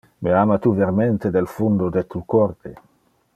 Me ama tu vermente del fundo de tu corde?